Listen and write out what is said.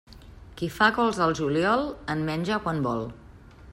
Qui fa cols al juliol, en menja quan vol.